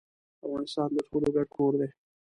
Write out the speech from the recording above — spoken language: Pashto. افغانستان د ټولو ګډ کور دي.